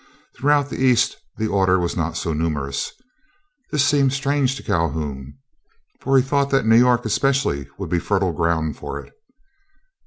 Throughout the East the order was not so numerous. This seemed strange to Calhoun, for he thought that New York especially would be fertile ground for it.